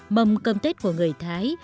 mầm cơm tết của người thái